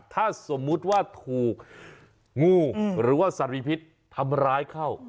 ถ้าสมมุติว่าถูกงูหรือว่าสารีพิษทำร้ายเข้า